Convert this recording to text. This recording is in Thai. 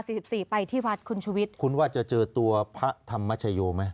สิบสี่ไปที่วัดคุณชุวิตคุณว่าจะเจอตัวพระธรรมชโยไหม